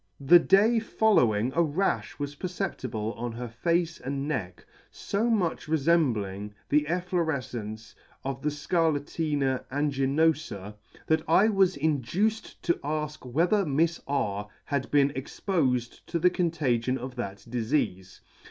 The day following a rafh was perceptible on her face and neck, fo much refembling the efflorefcence of the Scarlatina, Angi nofa , that I was induced to afk whether Mifs R had been expofed to the contagion of that difeafe.